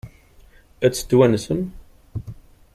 Ad tt-twansem?